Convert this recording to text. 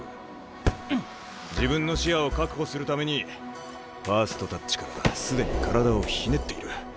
自分の視野を確保するためにファーストタッチから既に体をひねっている。